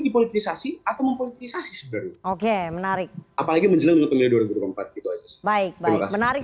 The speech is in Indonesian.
dipolitisasi atau mempolitisasi oke menarik apalagi menjelang dua ribu empat itu baik baik menarik